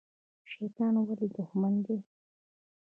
شیطان ولې دښمن دی؟